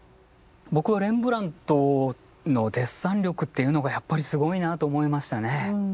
僕はレンブラントのデッサン力っていうのがやっぱりすごいなと思いましたね。